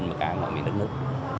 mà cả ở miền đất nước